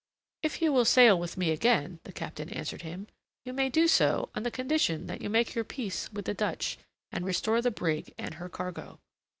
"If you will sail with me again," the Captain answered him, "you may do so on the condition that you make your peace with the Dutch, and restore the brig and her cargo."